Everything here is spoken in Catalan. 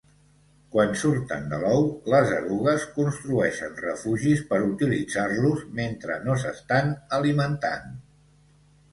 Quan surten de l'ou, les erugues construeixen refugis per utilitzar-los mentre no s'estan alimentant.